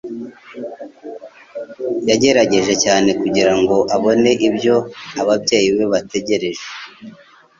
Yagerageje cyane kugira ngo abone ibyo ababyeyi be bategereje.